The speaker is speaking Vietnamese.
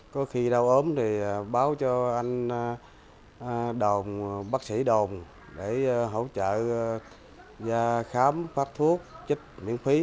có khi đau ốm thì báo cho anh đồn bác sĩ đồn để hỗ trợ khám phát thuốc chất miễn phí